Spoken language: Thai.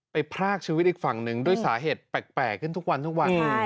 พรากชีวิตอีกฝั่งหนึ่งด้วยสาเหตุแปลกขึ้นทุกวันทุกวัน